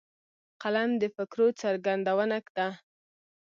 قلم د فکرو څرګندونه ده